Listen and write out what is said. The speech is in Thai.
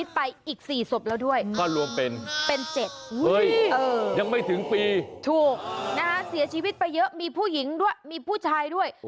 แต่ก่อนหน้านั้นเสียชีวิตไปอีก๔ศพแล้วด้วย